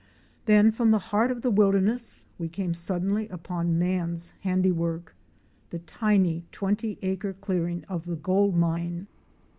Then from the heart of the wilderness we came suddenly upon man's handiwork; the tiny, twenty acre clearing of the gold mine.